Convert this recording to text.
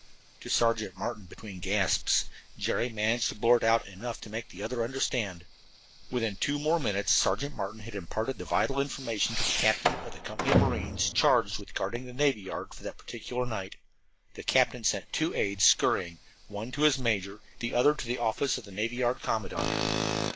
To Sergeant Martin, between gasps, Jerry managed to blurt out enough to make the other understand. Within two more minutes Sergeant Martin had imparted the vital information to the captain of the company of marines charged with guarding the navy yard for that particular night. The captain sent two aides scurrying, one to his major, the other to the office of the navy yard commandant.